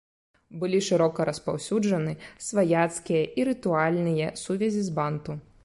Былі шырока распаўсюджаны сваяцкія і рытуальныя сувязі з банту.